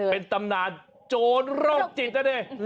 เป็นตำนานโจรโรคจิตนะดิ